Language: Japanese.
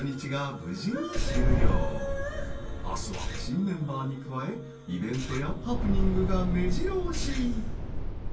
［明日は新メンバーに加えイベントやハプニングがめじろ押し］